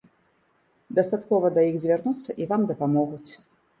Дастаткова да іх звярнуцца, і вам дапамогуць.